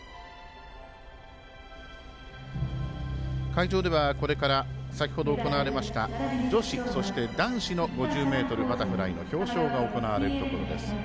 会場ではこれから先ほど行われました女子そして男子の５０ｍバタフライの表彰が行われるところです。